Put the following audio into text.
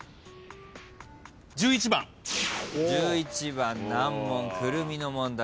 １１番難問「くるみ」の問題